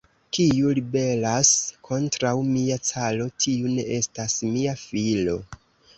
Kiu ribelas kontraŭ mia caro, tiu ne estas mia filo.